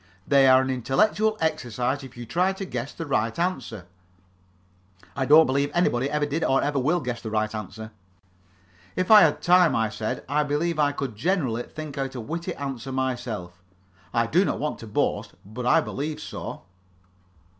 "They are an intellectual exercise, if you try to guess the right answer." "I don't believe anybody ever did or ever will guess the right answer." "If I had time," I said, "I believe I could generally think out a witty answer myself. I do not want to boast, but I believe so."